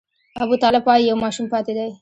ابوطالب وايي یو ماشوم پاتې دی.